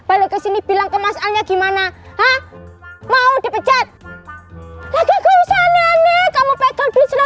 balik ke sini bilang ke masalnya gimana hah mau dipecat lagi ke sana nih kamu pegang